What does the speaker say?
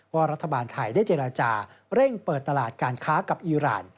ว่ารัฐบาลไทยได้เจรจาเร่งเปิดตลาดการค้ากับอีราน